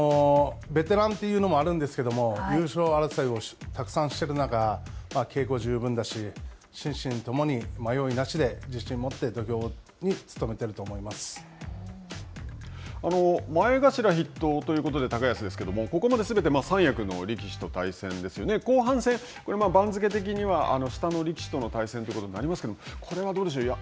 ベテランというのもあるんですけれども、優勝争いをたくさんしてる中、稽古十分だし、心身ともに迷いなしで自信を持っ前頭筆頭ということで高安ですけどもここまですべて三役の力士と対戦ですね、後半戦、番付的には、下の力士との対戦ということになりますけど、これはどうでしょうか。